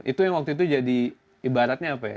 itu yang waktu itu jadi ibaratnya apa ya